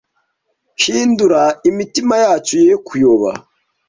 hindura imitima yacu ye kuyoba